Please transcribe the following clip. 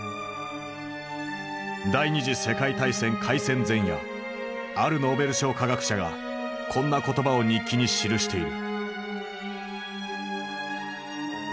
第二次世界大戦開戦前夜あるノーベル賞科学者がこんな言葉を日記に記している。